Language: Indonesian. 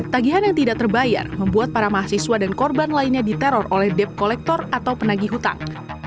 tagihan yang tidak terbayar membuat para mahasiswa dan korban lainnya diteror oleh debt collector atau penagih hutang